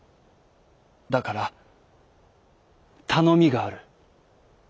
だからたのみがある。